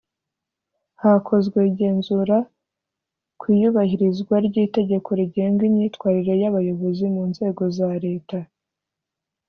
hakozwe igenzura ku iyubahirizwa ry’itegeko rigenga imyitwarire y’abayobozi mu nzego za leta,